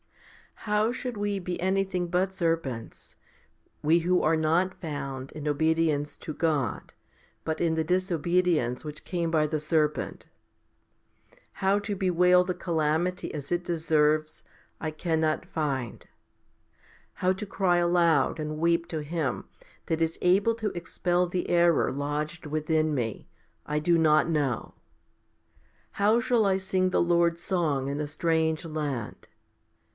6. How should we be anything but serpents, we who are not found in obedience to God, but in the disobedience which came by the serpent ? How to bewail the calamity as it deserves, I cannot find. How to cry aloud and weep to Him that is able to expel the error lodged within me, I do not know. How shall I sing the Lord's song in a strange land